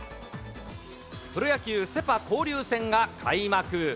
プロ野球セ・パ交流戦が開幕。